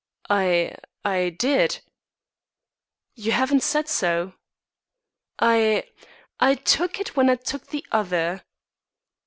"I I did." "You haven't said so." "I I took it when I took the other."